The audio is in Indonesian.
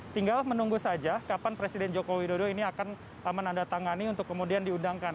tinggal menunggu saja kapan presiden joko widodo ini akan menandatangani untuk kemudian diundangkan